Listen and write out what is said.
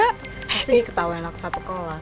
pasti ketawanya naksa pekola